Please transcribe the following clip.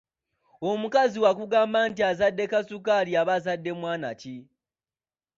Omukazi bw’akugamba nti nzadde kasukaali aba azadde mwana ki?